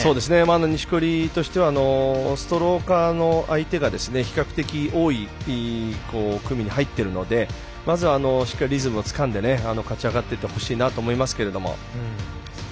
錦織としてはストローカーの相手が比較的多い組に入ってるのでまずはしっかりリズムをつかんで勝ち上がっていってほしいなと思います。